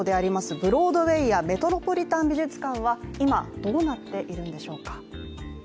ブロードウェイやメトロポリタン美術館は今どうなっているんでしょうか？